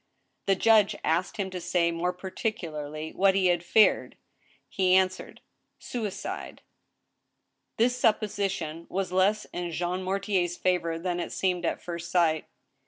191 The judg^e asked him to say more particularly what he had feared. He answered, " Suicide." This supposition was less in Jean Mortier's favor than it seemed at first sight.